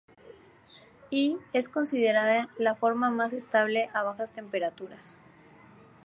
I, es considerada la forma más estable a bajas temperaturas.